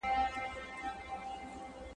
• دښمن مړ که، مړانه ئې مه ورکوه.